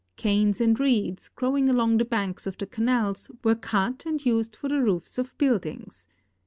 Canes and reeds, growing along the banks of the canals, were out and used for the roofs of buildings.